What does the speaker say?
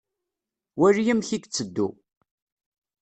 Wali amek i itteddu.